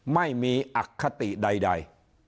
ไม่มีอคติใด